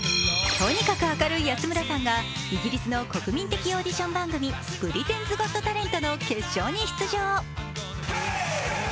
とにかく明るい安村さんが、イギリスの国民的オーディション番組、「ブリテンズ・ゴット・タレント」の決勝に出場。